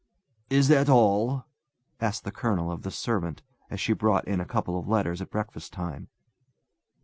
"Is this all?" asked the colonel of the servant, as she brought in a couple of letters at breakfast time.